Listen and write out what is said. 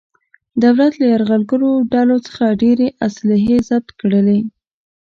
دولت له یرغلګرو ډولو څخه ډېرې اصلحې ضبط کړلې.